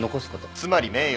つまり名誉。